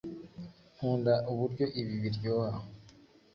Nkunda uburyo ibi biryoha